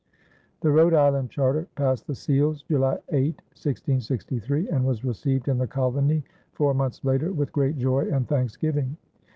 The Rhode Island charter passed the seals July 8, 1663, and was received in the colony four months later with great joy and thanksgiving.